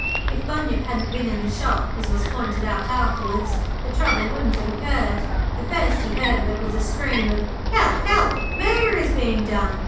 If Bunyip hadn't been in the shop, as was pointed out afterwards, the trouble wouldn't have occurred. The first he heard of it was a scream of 'Help, help, murder is being done!'